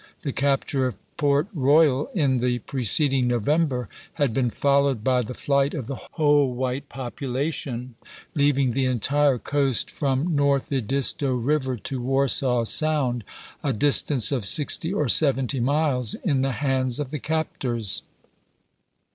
The capture of Port Royal in the pre ceding November had been followed by the flight of the whole white population, leaving the entire coast from North Edisto River to Warsaw Sound, a dis tance of sixty or seventy miles, in the hands of the captors.